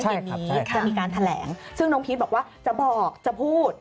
เดี๋ยวนี้จะมีการแถลงซึ่งน้องพีชบอกว่าจะบอกจะพูด